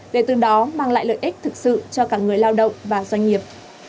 để từ đó mang lại lợi ích thực sự cho cả người lao động và doanh nghiệp